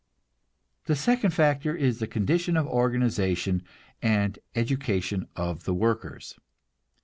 The second factor is the condition of organization and education of the workers.